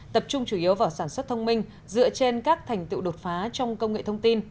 tập trung chủ yếu vào sản xuất thông minh dựa trên các thành tựu đột phá trong công nghệ thông tin